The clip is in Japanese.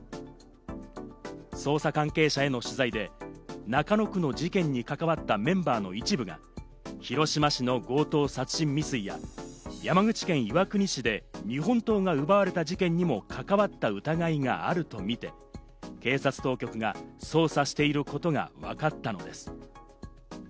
捜査関係者への取材で、中野区の事件に関わったメンバーの一部が広島市の強盗殺人未遂や、山口県岩国市で日本刀が奪われた事件にも関わった疑いがあるとみて、警察当局が捜査していることがわかったのです。